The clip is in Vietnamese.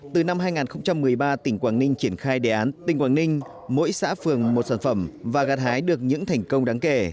từ năm hai nghìn một mươi ba tỉnh quảng ninh triển khai đề án tỉnh quảng ninh mỗi xã phường một sản phẩm và gạt hái được những thành công đáng kể